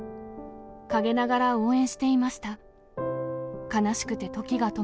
陰ながら応援していました。